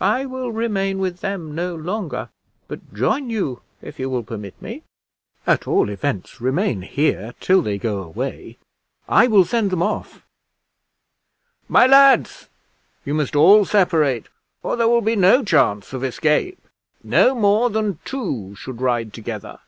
I will remain with them no longer, but join you if you will permit me. At all events, remain here till they go away I will send them off." Grenville then said to the men, "My lads, you must all separate, or there will be no chance of escape. No more than two should ride together.